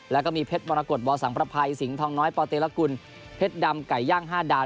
แล้วก็มีเพชรมรกฏบอสังประภัยสิงหองน้อยปเตรกุลเพชรดำไก่ย่าง๕ดาว